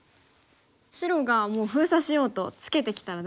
白がもう封鎖しようとツケてきたら。